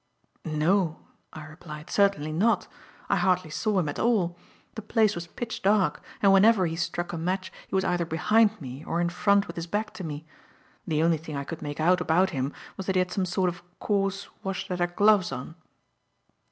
"No," I replied. "Certainly not. I hardly saw him at all. The place was pitch dark, and whenever he struck a match he was either behind me or in front with his back to me. The only thing I could make out about him was that he had some sort of coarse wash leather gloves on."